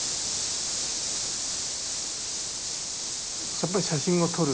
やっぱり写真を撮る。